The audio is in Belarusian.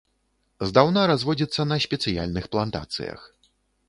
Здаўна разводзіцца на спецыяльных плантацыях.